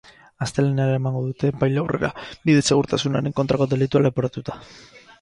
Astelehenean eramango dute epaile aurrera, bide-segurtasunaren kontrako delitua leporatuta.